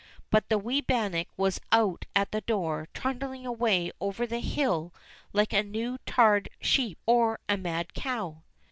But the wee bannock was out at the door, trundling away over the hill like a new tarred sheep or a mad cow